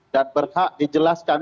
dan berhak dijelaskan